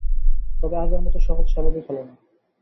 তবে আগের মতো সহজ-স্বাভাবিক হল না।